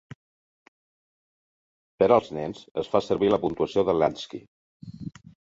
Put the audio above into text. Per als nens, es fa servir la puntuació de Lansky.